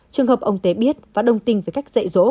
trường hợp ông tê biết và đông tin về cách dạy dỗ